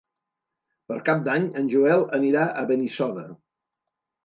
Per Cap d'Any en Joel anirà a Benissoda.